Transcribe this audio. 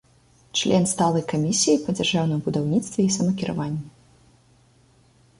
Член сталай камісіі па дзяржаўным будаўніцтве і самакіраванні.